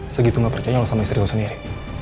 segitu gak percaya sama istri lo sendiri